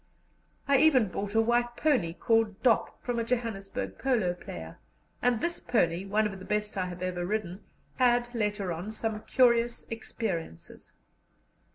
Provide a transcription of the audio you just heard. I even bought a white pony, called Dop, from a Johannesburg polo player, and this pony, one of the best I have ever ridden, had later on some curious experiences.